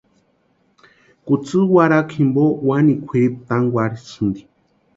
Kutsï warhakwa jimpo wani kwʼiripu tánkwarhisïnti.